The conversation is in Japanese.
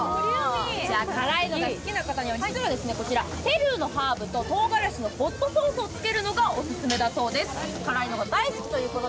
辛いのが好きな方には、実はこちらペルーのハーブととうがらしのホットソースをつけるのがオススメだということです。